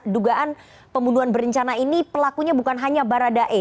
dugaan pembunuhan berencana ini pelakunya bukan hanya baradae